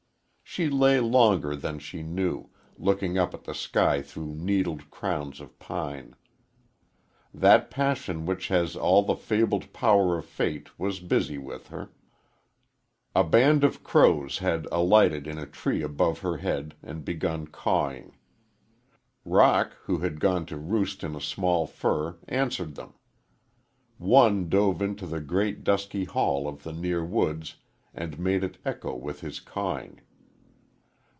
She lay longer than she knew, looking up at the sky through needled crowns of pine. That passion which has all the fabled power of Fate was busy with her. A band of crows had alighted in a tree above her head and begun cawing. Roc, who had gone to roost in a small fir, answered them. One dove into the great, dusky hall of the near woods and made it echo with his cawing.